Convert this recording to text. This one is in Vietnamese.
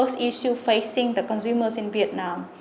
thì doanh nghiệp việt nam